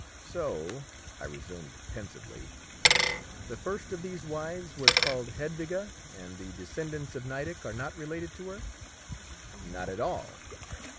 "So," I resumed pensively, "the first of these wives was called Hedwige, and the descendants of Nideck are not related to her?" "Not at all."